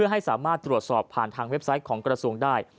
ให้สามารถตรวจสอบผ่านทางเว็บไซต์ของกระทรวงได้